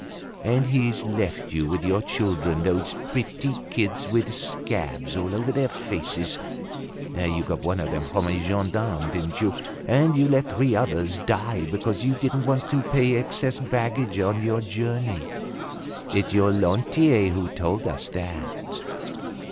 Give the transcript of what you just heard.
And he's left you with your children. Those pretty kids with scabs all over their faces! You got one of them from a gendarme, didn't you? And you let three others die because you didn't want to pay excess baggage on your journey. It's your Lantier who told us that.